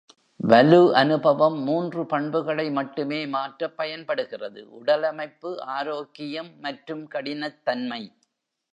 வலு அனுபவம் மூன்று பண்புகளை மட்டுமே மாற்ற பயன்படுகிறது: உடலமைப்பு, ஆரோக்கியம் மற்றும் கடினத்தன்மை.